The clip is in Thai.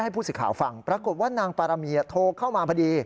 ให้ผู้สิทธิ์ข่าวฟังปรากฏว่านางปารมีโทรเข้ามาพอดี